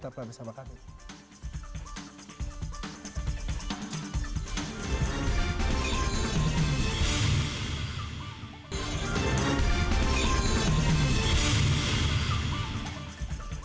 tampil lagi bersama kami